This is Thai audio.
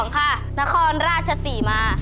ค่ะนครราชศรีมา